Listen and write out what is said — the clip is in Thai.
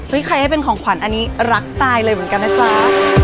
ใครให้เป็นของขวัญอันนี้รักตายเลยเหมือนกันนะจ๊ะ